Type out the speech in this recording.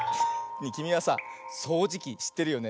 きみはさそうじきしってるよね？